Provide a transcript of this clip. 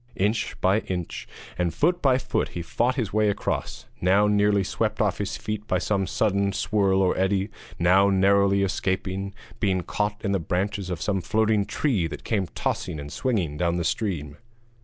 Inch by inch, and foot by foot he fought his way across, now nearly swept off his feet by some sudden swirl or eddy, now narrowly escaping being caught in the branches of some floating tree that came tossing and swinging down the stream.